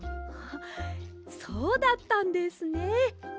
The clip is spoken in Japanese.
そうだったんですね。